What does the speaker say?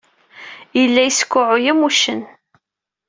Yella yeskuɛɛuy am wuccen.